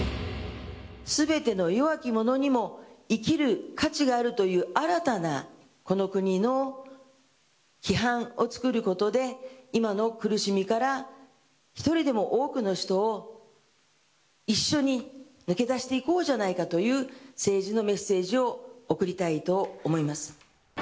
すべての弱き者にも、生きる価値があるという新たなこの国の規範を作ることで、今の苦しみから１人でも多くの人を一緒に抜け出していこうじゃないかという、政治のメッセージを送りたいと思います。